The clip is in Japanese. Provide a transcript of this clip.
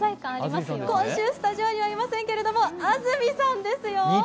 今週スタジオにはいませんけれども、安住さんですよ！